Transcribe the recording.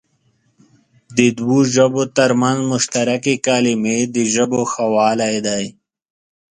د دوو ژبو تر منځ مشترکې کلمې د ژبو ښهوالی دئ.